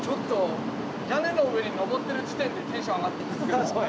屋根の上に上ってる時点でテンション上がってますけど。